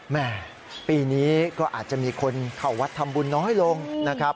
แม่ปีนี้ก็อาจจะมีคนเข้าวัดทำบุญน้อยลงนะครับ